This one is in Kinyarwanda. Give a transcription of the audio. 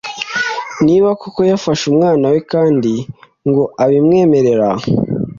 niba koko yafashe umwana we kundi ngo arabimwemerera